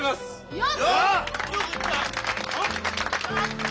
よっ！